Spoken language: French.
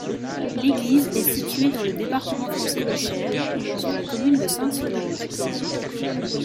L'église est située dans le département français du Cher, sur la commune de Sainte-Solange.